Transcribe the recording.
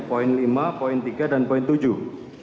poin lima poin tiga dan poin tujuh